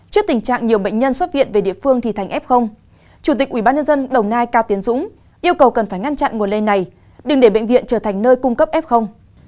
trước tình trạng nhiều bệnh nhân xuất viện về địa phương thì thành f chủ tịch ubnd đồng nai cao tiến dũng yêu cầu cần phải ngăn chặn nguồn lây này đừng để bệnh viện trở thành nơi cung cấp f